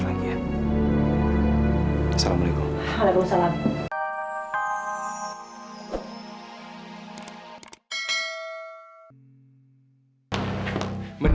aduh nggak perlu beli rumah ini